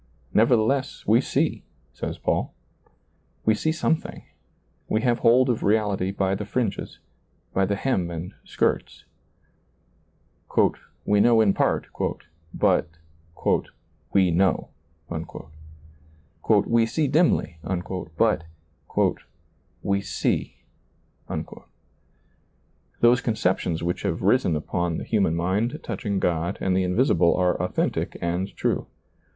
Nevertheless we see, says Paul. We see some thing, we have hold of reality by the fringes, by the hem and skirts. "We know in part," but " we know," " We see dimly," but " we see." Those conceptions which have risen upon the human mind touching God and the invisible are authentic and true.